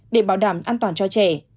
để bảo đảm an toàn cho trẻ